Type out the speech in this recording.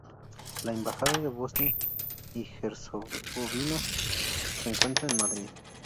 La Embajada de Bosnia y Herzegovina se encuentra en Madrid.